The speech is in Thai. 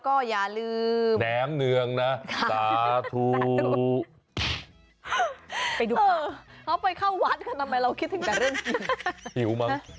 เขาไปเข้าวัดก็ทำไมเราคิดถึงแต่เรื่องกิน